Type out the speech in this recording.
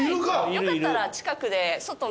よかったら近くで外に。